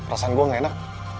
rasanya gue gaenak